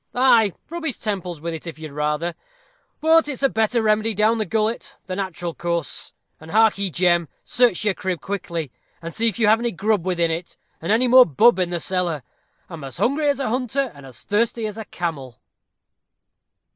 Ay, rub his temples with it if you'd rather; but it's a better remedy down the gullet the natural course; and hark ye, Jem, search your crib quickly, and see if you have any grub within it, and any more bub in the cellar: I'm as hungry as a hunter, and as thirsty as a camel."